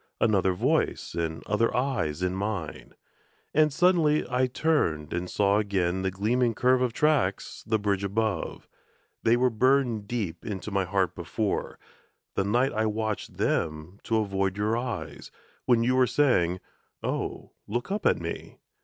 Another voice and other eyes in mine! And suddenly I turned and saw again The gleaming curve of tracks, the bridge above They were burned deep into my heart before, The night I watched them to avoid your eyes, When you were saying, "Oh, look up at me!"